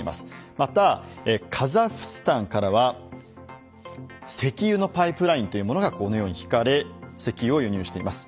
また、カザフスタンからは石油のパイプラインというものがこのように引かれ石油を輸入しています。